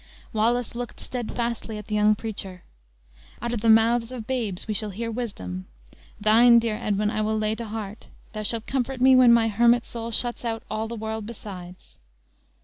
Wallace looked steadfastly at the young preacher. "'Out of the mouths of babes we shall hear wisdom!' Thine, dear Edwin, I will lay to heart. Thou shalt comfort me when my hermit soul shuts out all the world besides."